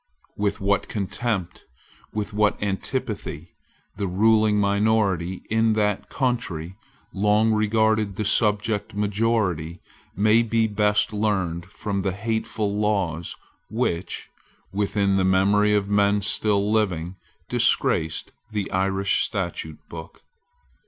With what contempt, with what antipathy, the ruling minority in that country long regarded the subject majority may be best learned from the hateful laws which, within the memory of men still living, disgraced the Irish statute book.